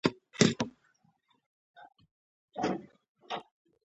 دغه سردنه ګودر و.